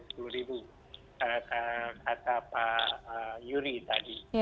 karena kata pak yuri tadi